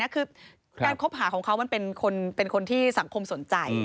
คือการคบหาของเขามันเป็นคนที่สังคมสนใจ